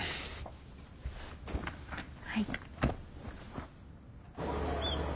はい。